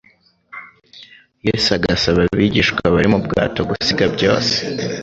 Yesu agasaba abigishwa bari mu bwato gusiga byose